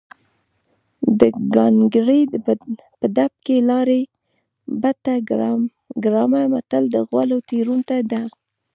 د ګانګړې په ډب کې لاړې بټه ګرامه متل د غلو تېروتنه ده